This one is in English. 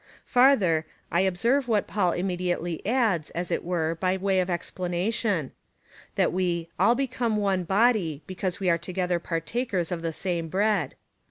Farther, I observe what Paul im mediately adds, as it were, by way of explanation — that we all become one body, because we are together partakers of the same bread.